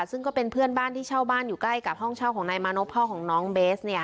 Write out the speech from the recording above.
ซึ่งก็เป็นเพื่อนบ้านที่เช่าบ้านอยู่ใกล้กับห้องเช่าของนายมานพพ่อของน้องเบสเนี่ย